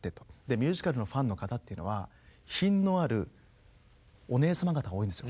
ミュージカルのファンの方っていうのは品のあるおねえさま方が多いんですよ。